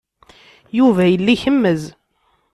Yuba yella ikemmez.